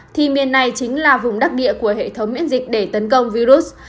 thì miền này chính là vùng đắc địa của hệ thống miễn dịch để tấn công virus